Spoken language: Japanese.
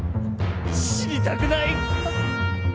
死にたくない。